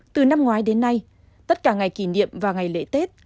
từ năm ngoái đến nay tất cả ngày kỷ niệm và ngày lễ tết